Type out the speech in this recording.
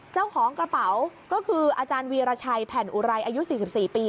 เจ้าของกระเป๋าก็คืออาจารย์วีรชัยแผ่นอุไรอายุ๔๔ปี